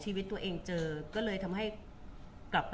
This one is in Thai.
คุณผู้ถามเป็นความขอบคุณค่ะ